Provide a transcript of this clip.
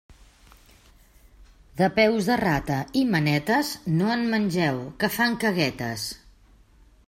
De peus de rata i manetes, no en mengeu, que fan caguetes.